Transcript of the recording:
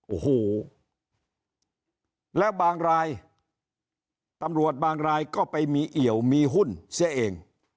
โอ้โหแล้วบางรายตำรวจบางรายก็ไปมีเอี่ยวมีหุ้นเสียเอง